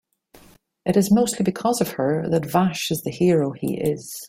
It is mostly because of her that Vash is the hero he is.